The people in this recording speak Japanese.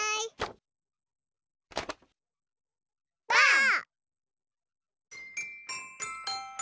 ばあっ！